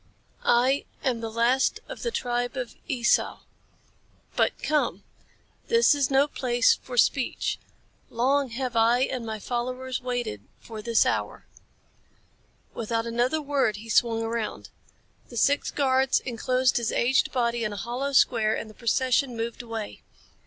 "I am the last of the tribe of Esau. But come! This is no place for speech. Long have I and my followers waited for this hour." Without another word he swung around. The six guards enclosed his aged body in a hollow square and the procession moved away.